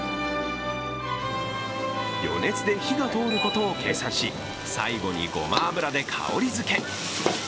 余熱で火が通ることを計算し最後にごま油で香りづけ。